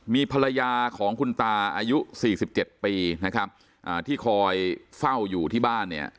มีภรรยาของคุณตาอายุ๔๗ปีที่คอยเฝ้าอยู่ที่บ้าน